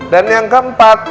dan yang keempat